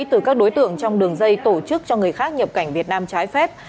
từ các đối tượng trong đường dây tổ chức cho người khác nhập cảnh việt nam trái phép